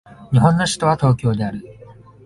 日本の首都は東京である